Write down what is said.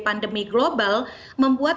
pandemi global membuat